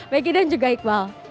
beggy dan juga iqbal